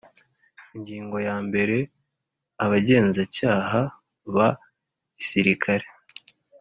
Ingingo yambere Abagenzacyaha ba Gisirikare